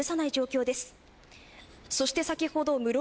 予断を許さない状況です。